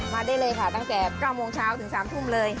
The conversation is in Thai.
มาได้เลยค่ะตั้งแต่๙โมงเช้าถึง๓ทุ่มเลย